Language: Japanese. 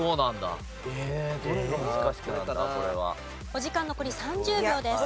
お時間残り３０秒です。